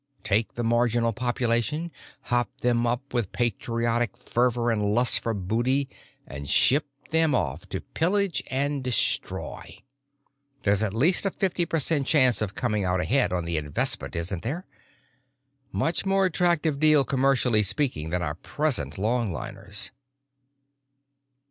Take the marginal population, hop them up with patriotic fervor and lust for booty, and ship them off to pillage and destroy. There's at least a fifty per cent chance of coming out ahead on the investment, isn't there? Much more attractive deal commercially speaking than our present longliners."